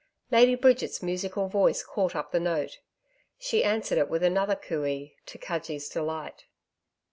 Lady Bridget's musical voice caught up the note. She answered it with another COO EE, to Cudgee's delight.